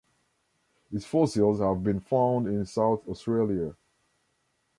Its fossils have been found in South-Australia.